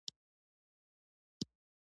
لوگر د افغانستان د اقتصاد برخه ده.